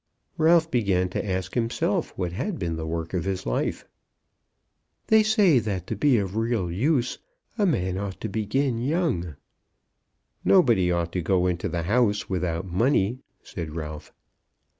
Ralph began to ask himself what had been the work of his life. "They say that to be of real use a man ought to begin young." "Nobody ought to go into the House without money," said Ralph.